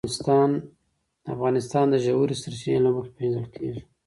افغانستان د ژورې سرچینې له مخې پېژندل کېږي.